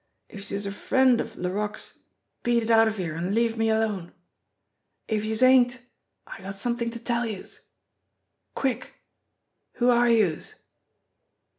If youse're a friend of Laroque's beat it out of here an' leave me alone ; if youse ain't, I got somethin' to tell youse. Quick ! Who are youse?"